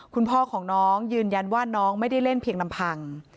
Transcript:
คุณพ่อของน้องยืนยันว่าน้องไม่ได้เล่นเพียงลำพัง